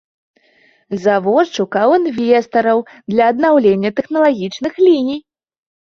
Завод шукаў інвестараў для абнаўлення тэхналагічных ліній.